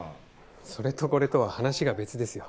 それとこれとは話が別ですよ。